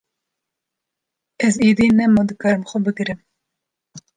Ez êdî nema dikarim xwe bigirim.